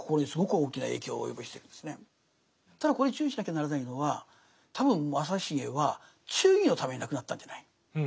ただここで注意しなきゃならないのは多分正成は忠義のために亡くなったんじゃない。